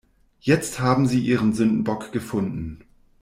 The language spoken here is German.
Jetzt haben sie ihren Sündenbock gefunden.